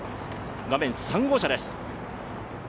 画面３号車です。